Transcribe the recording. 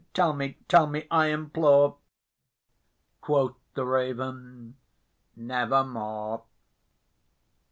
tell me tell me, I implore!" Quoth the Raven, "Nevermore."